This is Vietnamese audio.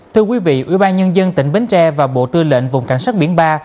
thưa quý vị ủy ban nhân dân tỉnh bến tre và bộ tư lệnh vùng cảnh sát biển ba